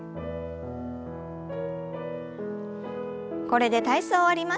これで体操を終わります。